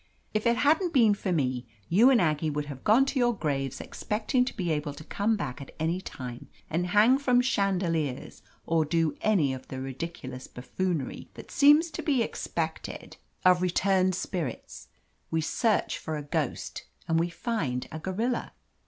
If it hadn't been for me, you and Aggie would have gone to your graves expect ing to be able to come back at any time and hang from chandeliers or do any of the ridicu lous buffoonery that seems to be expected of "5 THE AMAZING ADVENTURES returned spirits. We search for a ghost and we find a gorilla."